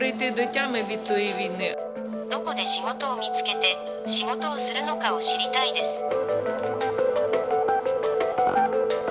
どこで仕事を見つけて、仕事をするのかを知りたいです。